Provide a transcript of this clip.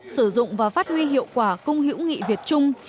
sử dụng và phát huy hiệu quả cung hữu nghị việt trung